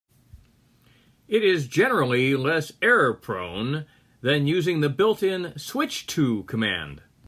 It is generally less error-prone than using the built-in "switch to" command.